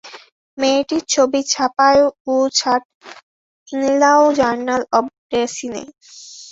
মেয়েটির ছবি ছাপায়ুছািট ইংল্যাও journal of ডেসিনে।